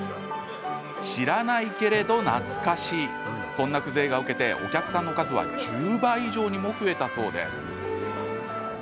知らないけど懐かしいそんな風情が受けてお客さんの数は１０倍以上にも増えたそうです。